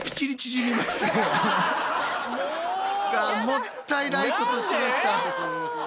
もったいないことしました。